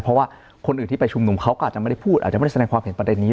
เพราะว่าคนอื่นที่ไปชุมนุมเขาก็อาจจะไม่ได้พูดอาจจะไม่ได้แสดงความเห็นประเด็นนี้